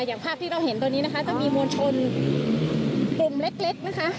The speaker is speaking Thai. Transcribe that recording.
อย่างภาพที่เราเห็นตอนนี้นะคะก็มีมวลชนกลุ่มเล็กนะคะ